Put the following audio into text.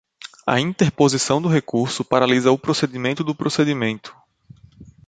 A interposição do recurso paralisa o procedimento do procedimento.